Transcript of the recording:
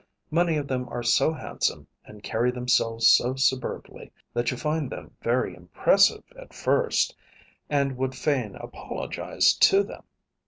Many of them are so handsome and carry themselves so superbly that you find them very impressive at first and would fain apologize to them.